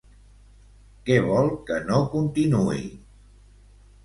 Què vol que no continuï?